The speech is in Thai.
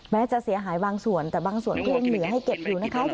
แม้จะเสียหายบางส่วนแต่บางส่วนก็ยังเหลือให้เก็บอยู่นะคะ